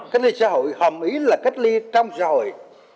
cách ly xã hội hòm ý là cách ly trong xã hội